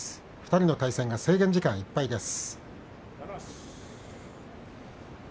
２人の対戦が制限時間いっぱいです。